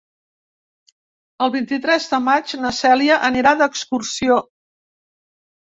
El vint-i-tres de maig na Cèlia anirà d'excursió.